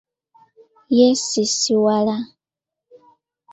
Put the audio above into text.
Yeesisiwala.